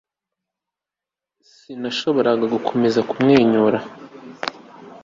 Sinashoboraga gukomeza kumwenyura